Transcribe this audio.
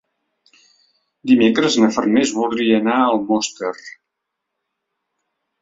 Dimecres na Farners voldria anar a Almoster.